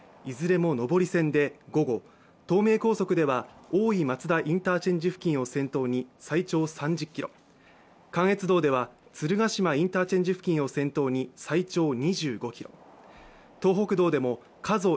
いずれも上り線で午後、東名高速では大井松田インターチェンジ付近を先頭に最長３０ｋｍ関越道では鶴ヶ島インターチェンジ付近を先頭に最長２５ｋｍ。